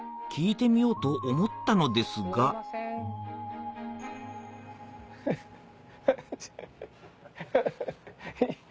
聞いてみようと思ったのですがフフフ。